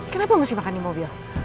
kenapa mesti makan di mobil